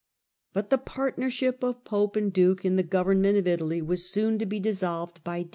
But the partnership of pope and duke in the government of Italy was soon to be dissolved by death.